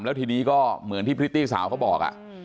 แล้วทีนี้ก็เหมือนที่พริตตี้สาวเขาบอก